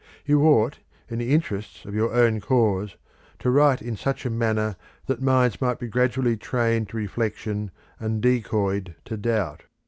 You ought, in the interests of your own cause, to write in such a manner that minds might be gradually trained to reflection and decoyed to doubt.